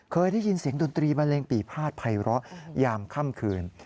เคยได้ยินเสียงดนตรีบันเลงปีภาษภัยเลาะยามค่ำคืน